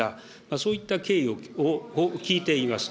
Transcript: そういった経緯を聞いています。